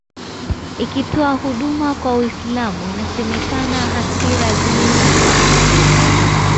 ikitoa huduma kwa Uislam inasemekana hasira zilipanda